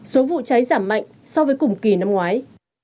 số vụ cháy giảm mạnh so với cùng kỳ năm ngoái